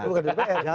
itu bukan dpr